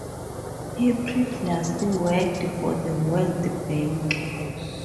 He previously worked for the World Bank.